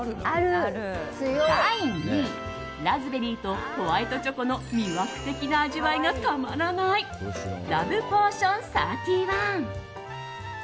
第２位ラズベリーとホワイトチョコの魅惑的な味わいがたまらないラブポーションサーティーワン。